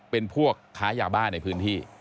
เป็นพวกค้ายาบ้าในพื้นที่